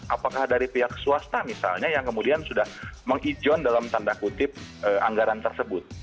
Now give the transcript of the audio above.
apakah dari pihak swasta misalnya yang kemudian sudah mengijon dalam tanda kutip anggaran tersebut